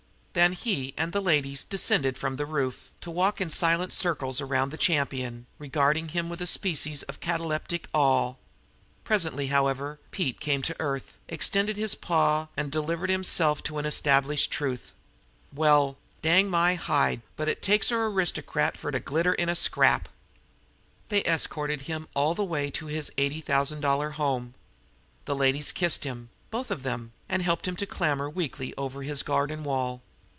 Then he and the ladies descended from the roof, to walk in silent circles around the champion, regarding him with a species of cataleptic awe. Presently, however, Pete came to earth, extended his paw, and delivered himself of an established truth: "Well, dang my hide, but it takes er 'ristercrat fer to glitter in a scrap!" They escorted him all the way to his eighty thousand dollar home. The ladies kissed him both of them and helped him to clamber weakly over his garden wall.